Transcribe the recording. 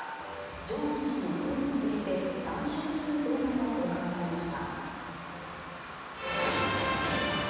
正恩氏の頬に触れて談笑する動画も公開されました。